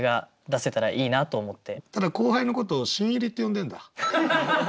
ただ後輩のことを「新入り」って呼んでんだ？